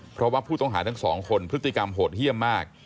เพราะว่าผู้ต้องหาทั้งสองคนพฤติกรรมโหดเยี่ยมมาก